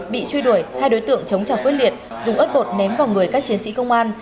bị truy đuổi hai đối tượng chống trả quyết liệt dùng ớt bột ném vào người các chiến sĩ công an